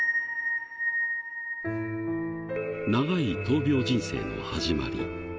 長い闘病人生の始まり。